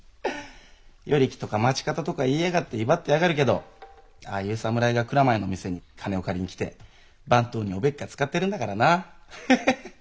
与力とか町方とか言いやがって威張ってやがるけどああいう侍が蔵前の店に金を借りに来て番頭におべっか使ってるんだからな。